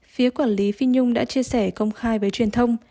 phía quản lý phi nhung đã chia sẻ công khai với truyền thông